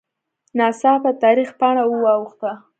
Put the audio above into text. ناڅاپه د تاریخ پاڼه واوښته